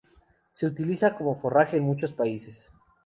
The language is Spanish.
Se utiliza como forraje en muchos países.